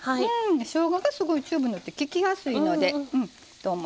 しょうががすごいチューブのってききやすいのでと思います。